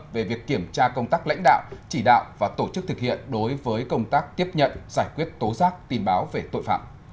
về việc kiểm tra công tác lãnh đạo chỉ đạo và tổ chức thực hiện đối với công tác tiếp nhận giải quyết tố giác tin báo về tội phạm